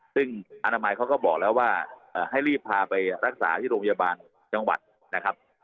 ซึ่งอนามัยเขาก็บอกแล้วว่าให้รีบพาไปรักษาที่โรงพยาบาลจังหวัดนะครับ